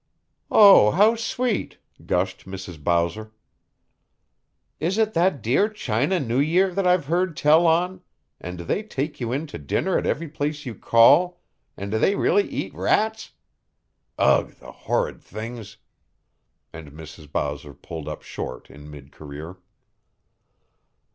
"Oh, how sweet!" gushed Mrs. Bowser. "Is it that dear China New Year that I've heard tell on, and do they take you in to dinner at every place you call, and do they really eat rats? Ugh, the horrid things!" And Mrs. Bowser pulled up short in mid career.